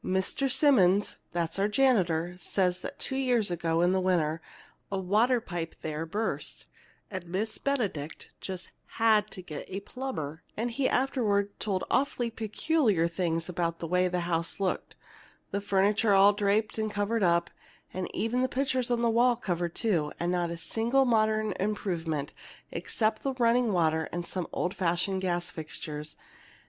"Mr. Simmonds (that's our janitor) says that two years ago, in the winter, a water pipe there burst, and Miss Benedict just had to get a plumber; and he afterward told awfully peculiar things about the way the house looked, the furniture all draped and covered up, and even the pictures on the walls covered, too, and not a single modern improvement except the running water and some old fashioned gas fixtures.